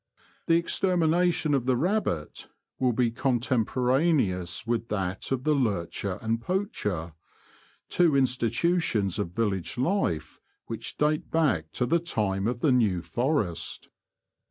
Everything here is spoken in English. The extermination of the rabbit will be contemporaneous with that of the lurcher and poacher — two institutions of village life which date back to the time of the New Forest.